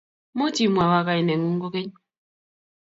Much imwowo kainengung kogeny?